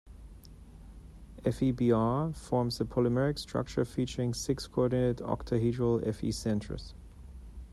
FeBr forms a polymeric structure featuring six-coordinate, octahedral Fe centers.